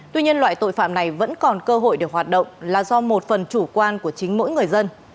tuy nhiên loại tội phạm này vẫn còn cơ hội được hoạt động là do một phần chủ quan của chính mỗi người dân